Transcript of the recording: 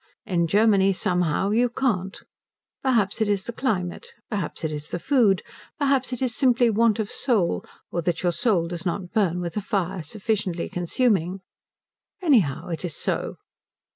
In Germany, somehow, you can't. Perhaps it is the climate; perhaps it is the food; perhaps it is simply want of soul, or that your soul does not burn with a fire sufficiently consuming. Anyhow it is so.